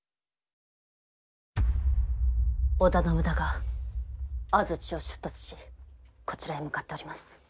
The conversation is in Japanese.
織田信長安土を出立しこちらへ向かっております。